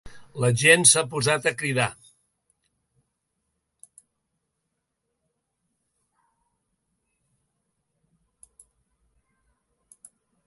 La gent s'ha posat a cridar.